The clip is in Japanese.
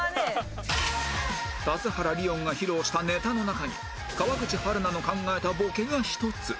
田津原理音が披露したネタの中に川口春奈の考えたボケが１つ